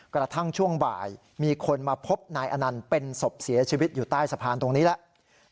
กระทั่งช่วงบ่ายมีคนมาพบนายอนันต์เป็นศพเสียชีวิตอยู่ใต้สะพานตรงนี้แล้ว